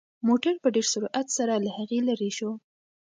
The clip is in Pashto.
موټر په ډېر سرعت سره له هغه لرې شو.